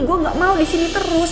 gua nggak mau di sini terus